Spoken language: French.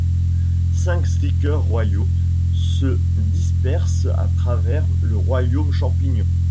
Cinq stickers royaux se dispersent à travers le Royaume Champignon.